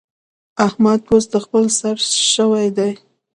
احمد اوس د خپل سر شوی دی.